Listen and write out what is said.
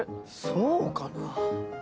そうかな？